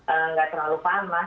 enggak terlalu panas